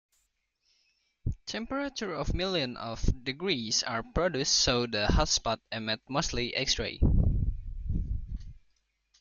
Temperatures of millions of degrees are produced so the hotspots emit mostly X-rays.